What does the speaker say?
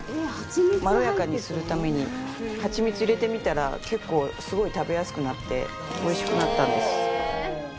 まろやかにするためにハチミツ入れてみたら結構、すごい食べやすくなっておいしくなったんです。